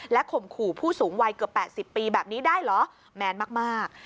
ข่มขู่ผู้สูงวัยเกือบ๘๐ปีแบบนี้ได้เหรอแมนมาก